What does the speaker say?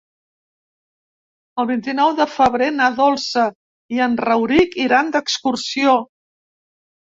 El vint-i-nou de febrer na Dolça i en Rauric iran d'excursió.